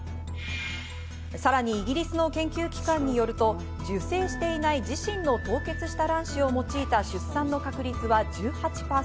さらにイギリスの研究機関によると、受精していない自身の凍結した卵子を用いた出産の確率は１８％。